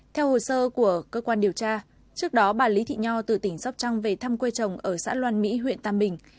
theo hồ sơ của cơ quan điều tra trước đó bà lý thị nho từ tỉnh sóc trăng về thăm quê chồng ở xã loan mỹ huyện tam bình